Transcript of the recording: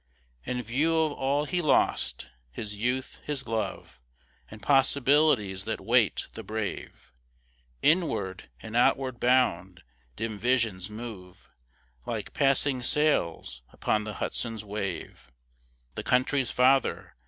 In view of all he lost, his youth, his love, And possibilities that wait the brave, Inward and outward bound, dim visions move Like passing sails upon the Hudson's wave. The country's Father!